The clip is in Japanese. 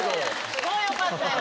すごい良かったよ。